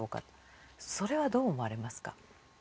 それはどう思われますか？